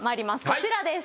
こちらです。